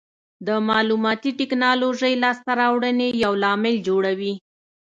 د معلوماتي ټکنالوژۍ لاسته راوړنې یو لامل جوړوي.